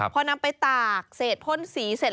พอนำไปตากเศษพ่นสีเสร็จ